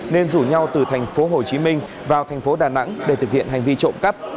nên rủ nhau từ thành phố hồ chí minh vào thành phố đà nẵng để thực hiện hành vi trộm cắp